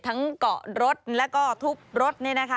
ทั้งเกาะรถและก็ทุบรถนี่นะคะ